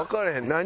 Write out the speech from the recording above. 何？